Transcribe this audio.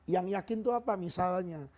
yang yakin itu apa misalnya